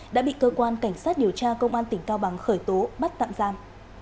đã bị cơ quan cảnh sát điều tra công an tỉnh cao bằng khởi tố bắt tạm giam